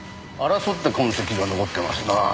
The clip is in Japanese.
争った痕跡が残ってますな。